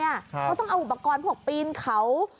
เขาต้องเอาอุปกรณ์พวกปีนเขา